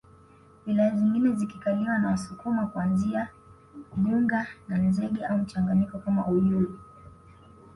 wilaya zingine zikikaliwa na Wasukuma kuanzia Igunga na Nzega au mchanganyiko kama Uyui